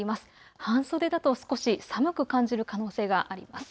半袖だと少し寒く感じる可能性があります。